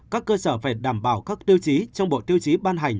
các cơ sở phải đảm bảo các tiêu chí trong bộ tiêu chí ban hành